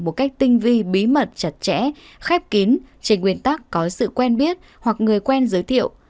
một cách tinh vi bí mật chặt chẽ khép kín trên nguyên tắc có sự quen biết hoặc người quen giới thiệu